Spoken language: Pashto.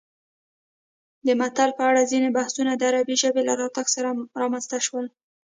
د متل په اړه ځینې بحثونه د عربي ژبې د راتګ سره رامنځته شول